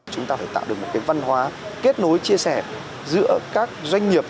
chúng ta phải tạo được một cái văn hóa kết nối chia sẻ giữa các doanh nghiệp